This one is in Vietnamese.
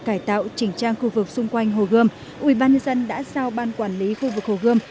cải tạo chỉnh trang khu vực xung quanh hồ gươm ubnd đã giao ban quản lý khu vực hồ gươm